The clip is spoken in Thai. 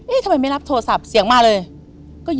ทำไมไม่รับโทรศัพท์เสียงมาเลย